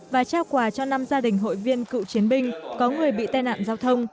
và trao quà cho năm gia đình hội viên cựu chiến binh có người bị tai nạn giao thông